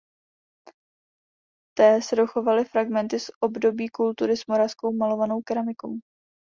V té se dochovaly fragmenty z období kultury s moravskou malovanou keramikou.